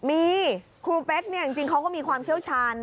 มีครูเป๊กเนี่ยจริงเขาก็มีความเชี่ยวชาญ